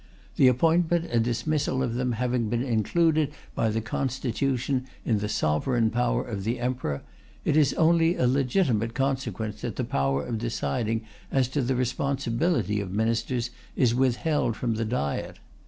The appointment and dismissal of them having been included by the Constitution in the sovereign power of the Emperor, it is only a legitimate consequence that the power of deciding as to the responsibility of Ministers is withheld from the Diet.